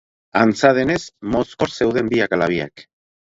Antza denez, mozkor zeuden biak ala biak.